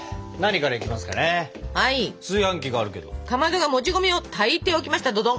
かまどがもち米を炊いておきましたどどん！